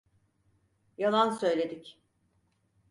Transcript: Yalan söyledik.